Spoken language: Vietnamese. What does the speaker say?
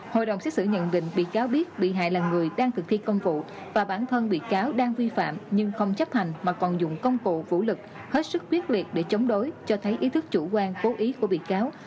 hội đồng xét xử nhận định bị cáo biết bị hại là người đang thực thi công vụ và bản thân bị cáo đang vi phạm nhưng không chấp hành mà còn dùng công cụ vũ lực hết sức quyết liệt để chống đối cho thấy ý thức chủ quan cố ý của bị cáo